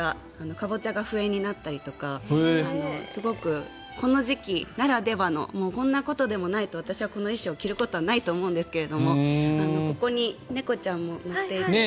カボチャが笛になったりすごくこの時期ならではのこんなことでもないと私はこの衣装を着ることはないと思うんですがここに猫ちゃんも乗っていて。